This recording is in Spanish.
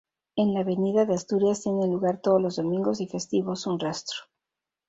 En la avenida de Asturias tiene lugar todos los domingos y festivos un rastro.